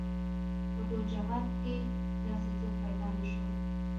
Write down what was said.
په ټول جهاد کې داسې څوک پيدا نه شو.